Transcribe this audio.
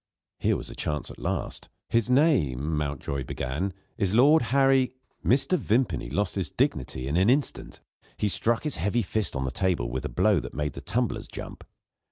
Here was a chance at last! "His name;" Mountjoy began, "is Lord Harry " Mr. Vimpany lost his dignity in an instant. He struck his heavy fist on the table, with a blow that made the tumblers jump.